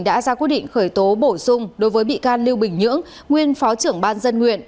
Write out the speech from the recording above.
đã ra quyết định khởi tố bổ sung đối với bị can lưu bình nhưỡng nguyên phó trưởng ban dân nguyện